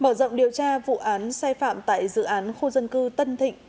mở rộng điều tra vụ án sai phạm tại dự án khu dân cư tân thịnh